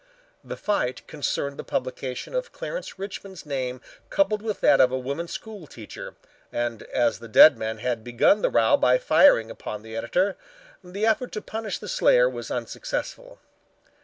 The fight concerned the publication of Clarence Richmond's name coupled with that of a woman school teacher, and as the dead man had begun the row by firing upon the editor, the effort to punish the slayer was unsuccessful.